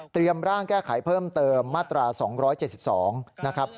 ร่างแก้ไขเพิ่มเติมมาตรา๒๗๒นะครับ